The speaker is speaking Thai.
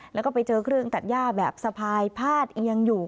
แล้วก็ไปเจอเครื่องตัดย่าแบบสะพายพาดเอียงอยู่